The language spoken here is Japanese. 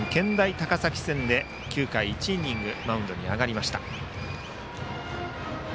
高崎戦で、９回に１イニングマウンドに上がりました。